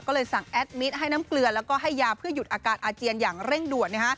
ก็เลยสั่งแอดมิตรให้น้ำเกลือแล้วก็ให้ยาเพื่อหยุดอาการอาเจียนอย่างเร่งด่วน